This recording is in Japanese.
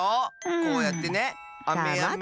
こうやってねあめやめ。